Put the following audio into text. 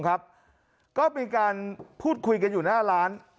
ก็มีการพูดคุยกันอยู่หน้าร้าน